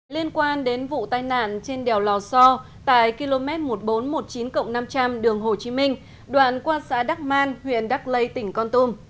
liên quan đến vụ tai nạn trên đèo lò so tại km một nghìn bốn trăm một mươi chín năm trăm linh đường hồ chí minh đoạn qua xã đắc man huyện đắc lây tỉnh con tum